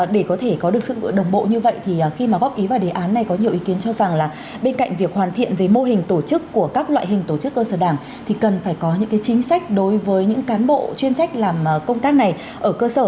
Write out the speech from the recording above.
để có thể có được sự đồng bộ như vậy thì khi mà góp ý vào đề án này có nhiều ý kiến cho rằng là bên cạnh việc hoàn thiện về mô hình tổ chức của các loại hình tổ chức cơ sở đảng thì cần phải có những chính sách đối với những cán bộ chuyên trách làm công tác này ở cơ sở